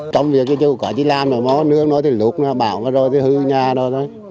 trong việc chứ có chỉ làm rồi bó nước nó thì lụt bão nó rồi thì hư nhà đó thôi